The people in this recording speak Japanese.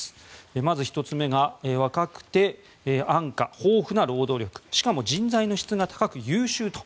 まず１つ目が若くて安価、豊富な労働力しかも人材の質が高く、優秀と。